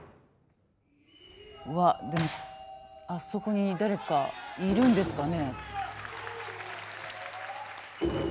うわっあそこに誰かいるんですかね。